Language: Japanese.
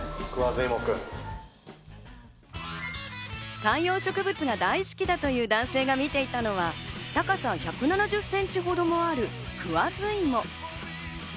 観葉植物が大好きだという男性が見ていたのは、高さ１７０ｃｍほどもあるクワズイモ。